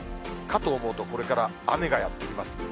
かと思うと、これから雨がやって来ます。